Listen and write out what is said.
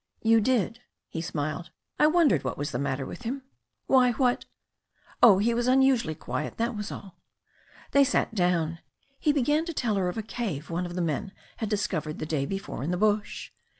"You did," he smiled. 'T wondered what was the matter with him." "Why, what " "Oh, he was unusually quiet, that was all." They sat down. He began to tell her of a cave one of the men had discovered the day before in the bush.